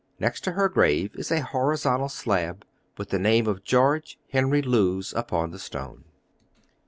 Next to her grave is a horizontal slab, with the name of George Henry Lewes upon the stone.